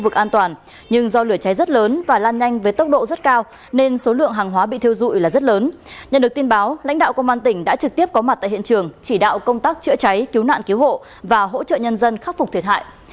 chương trình đã trực tiếp có mặt tại hiện trường chỉ đạo công tác chữa cháy cứu nạn cứu hộ và hỗ trợ nhân dân khắc phục thiệt hại